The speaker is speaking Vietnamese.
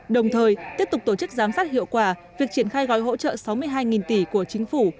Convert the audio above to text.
đồng thời tiếp tục tổ chức giám sát hiệu quả việc triển khai gói hỗ trợ sáu mươi hai tỷ của chính phủ